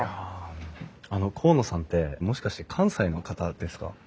あの河野さんってもしかして関西の方ですか？